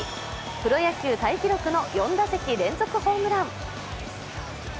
プロ野球タイ記録の４打席連続ホームラン。